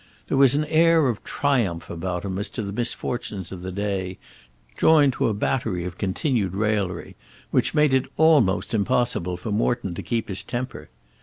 There was an air of triumph about him as to the misfortunes of the day, joined to a battery of continued raillery, which made it almost impossible for Morton to keep his temper.